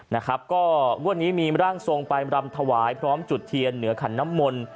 นะครับก็งวดนี้มีร่างทรงไปรำถวายพร้อมจุดเทียนเหนือขันน้ำมนต์